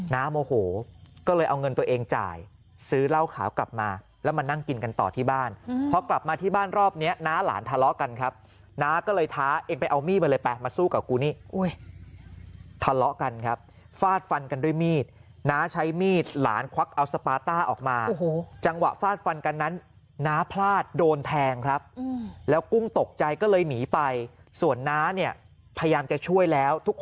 น้าโมโหก็เลยเอาเงินตัวเองจ่ายซื้อเหล้าขาวกลับมาแล้วมานั่งกินกันต่อที่บ้านพอกลับมาที่บ้านรอบเนี้ยน้าหลานทะเลาะกันครับน้าก็เลยท้าเอ็งไปเอามี่ไปเลยไปมาสู้กับกูนี่ทะเลาะกันครับฟาดฟันกันด้วยมีดน้าใช้มีดหลานควักเอาสปาต้าออกมาจังหวะฟาดฟันกันนั้นน้าพลาดโดนแทงครับแล้วกุ้งตก